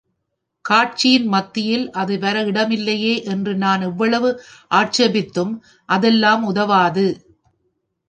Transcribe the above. காட்சியின் மத்தியில் அது வர இடமில்லையே என்று நான் எவ்வளவு ஆட்சேபித்தும், அதெல்லாம் உதவாது.